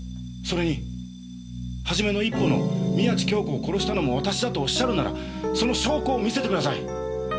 それに初めの一歩の宮地杏子を殺したのも私だとおっしゃるならその証拠を見せてください！